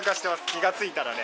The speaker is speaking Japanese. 気がついたらね。